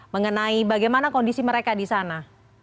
mengenai bagaimana kondisi mereka di sana